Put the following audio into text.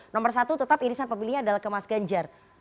nomor satu tetap irisan pemilihnya adalah ke mas ganjar